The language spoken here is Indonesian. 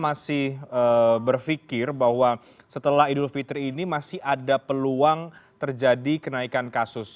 masih berpikir bahwa setelah idul fitri ini masih ada peluang terjadi kenaikan kasus